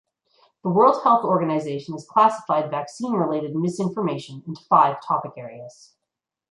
The World Health Organization has classified vaccine related misinformation into five topic areas.